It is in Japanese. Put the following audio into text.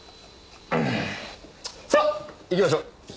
さあ行きましょう！